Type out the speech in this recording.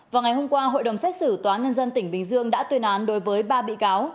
vào ngày hôm qua hội đồng xét xử tòa nhân dân tỉnh bình dương đã tuyên án đối với ba bị cáo